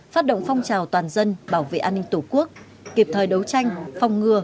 phát động phong trào toàn dân bảo vệ an ninh tổ quốc kịp thời đấu tranh phòng ngừa